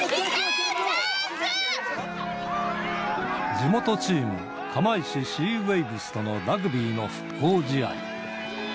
地元チーム、釜石シーウェイブスとのラグビーの復興試合。